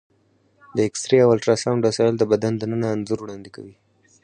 د ایکسرې او الټراساونډ وسایل د بدن دننه انځور وړاندې کوي.